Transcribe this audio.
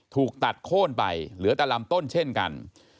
ถูกตัดโค้นไปเหลือแต่ลำต้นเช่นกัน